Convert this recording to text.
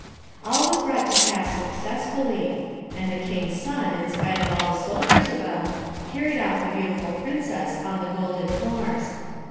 All was brought to pass successfully, and the King's son in spite of all the soldiers about, carried off the Beautiful Princess on the Golden Horse.